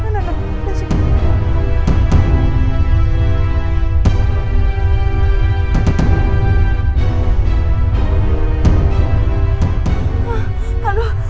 aduh ayolah lindungi kamu ya allah ya allah